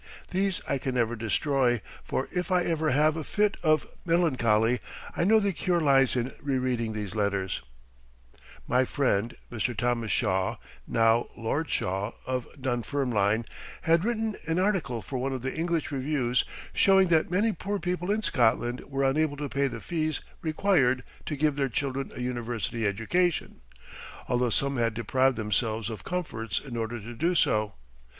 These I can never destroy, for if I ever have a fit of melancholy, I know the cure lies in re reading these letters. [Footnote 48: The total amount of this fund in 1919 was $29,250,000.] My friend, Mr. Thomas Shaw (now Lord Shaw), of Dunfermline had written an article for one of the English reviews showing that many poor people in Scotland were unable to pay the fees required to give their children a university education, although some had deprived themselves of comforts in order to do so.